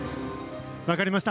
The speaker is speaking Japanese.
分かりました。